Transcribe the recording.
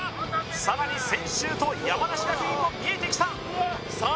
さらに専修と山梨学院も見えてきたさあ